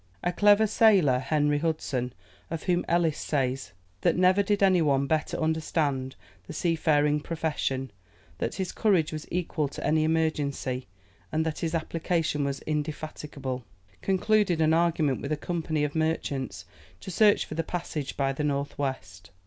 A clever sailor, Henry Hudson, of whom Ellis says, "that never did any one better understand the seafaring profession, that his courage was equal to any emergency, and that his application was indefatigable," concluded an agreement with a company of merchants to search for the passage by the north west.